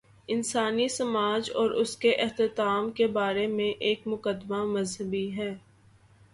انسانی سماج اور اس کے اختتام کے بارے میں ایک مقدمہ مذہبی ہے۔